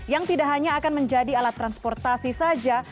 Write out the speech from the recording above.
yang tidak hanya akan menjadi alat transportasi saja